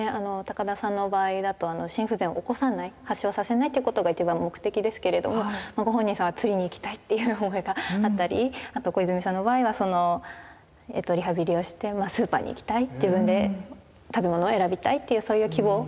高田さんの場合だと心不全を起こさない発症させないっていうことが一番目的ですけれどもご本人さんは釣りに行きたいっていう思いがあったりあと小泉さんの場合はリハビリをしてスーパーに行きたい自分で食べ物を選びたいっていうそういう希望に沿った形で。